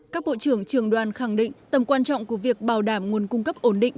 các bộ trưởng trường đoàn khẳng định tầm quan trọng của việc bảo đảm nguồn cung cấp ổn định